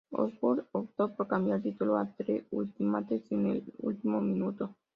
Osbourne optó por cambiar el título a "The Ultimate Sin" en el último minuto.